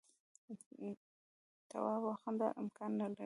تواب وخندل امکان نه لري.